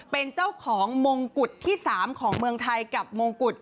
เป็นเจ้าของมงกุฎที่๓ของเมืองไทยกับมงกุฎ